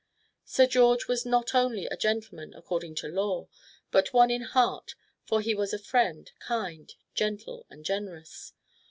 Sir George was not only a gentleman according to law, but one in heart, for he was a friend, kind, gentle and generous.